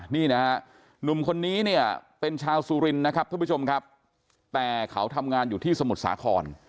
นี่นะฮะหนุ่มคนนี้เนี่ยเป็นชาวสุรินนะครับทุกผู้ชมครับแต่เขาทำงานอยู่ที่สมุทรสาคร